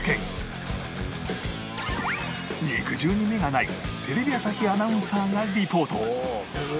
肉汁に目がないテレビ朝日アナウンサーがリポート